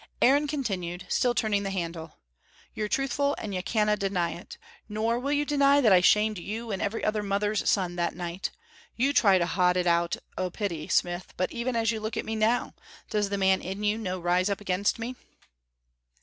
Aaron continued, still turning the handle, "You're truthful, and you canna deny it. Nor will you deny that I shamed you and every other mother's son that night. You try to hod it out o' pity, smith, but even as you look at me now, does the man in you no rise up against me?"